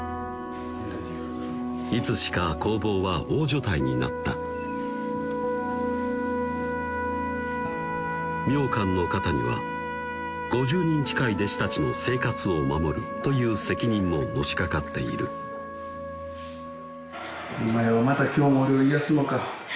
いつしか工房は大所帯になった明観の肩には５０人近い弟子たちの生活を守るという責任ものしかかっているうわ